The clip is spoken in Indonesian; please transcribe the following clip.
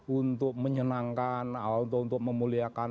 untuk menyenangkan untuk memuliakan